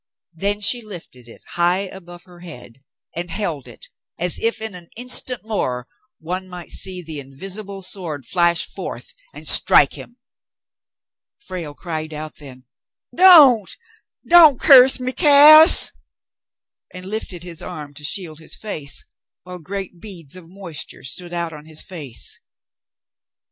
Then she lifted it high above her head and held it, as if in an instant more one might see the invisible sword flash forth and strike him. Frale cried out then, "Don't, don't curse me, Cass,'* and lifted his arm to shield his face, while great beads of moisture stood out on his face.